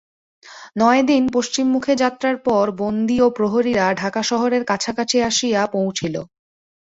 নয় দিন পশ্চিম মুখে যাত্রার পর বন্দী ও প্রহরীরা ঢাকা শহরের কাছাকাছি আসিয়া পৌঁছিল।